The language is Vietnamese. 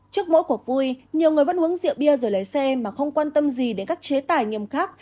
trước mỗi cuộc vui nhiều người vẫn uống rượu bia rồi lấy xe mà không quan tâm gì đến các chế tài nghiêm khắc